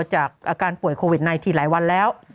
จากอาการป่วยโควิด๑๙หลายวันแล้ว